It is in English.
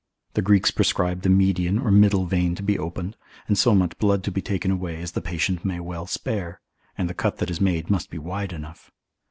The Greeks prescribe the median or middle vein to be opened, and so much blood to be taken away as the patient may well spare, and the cut that is made must be wide enough.